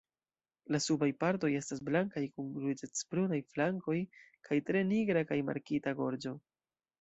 La subaj partoj estas blankaj kun ruĝecbrunaj flankoj kaj tre nigra kaj markita gorĝo.